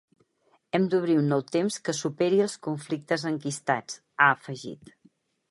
Hem d’obrir un nou temps que superi els conflictes enquistats, ha afegit.